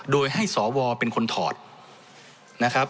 โดยให้สวเป็นคนถอดนะครับ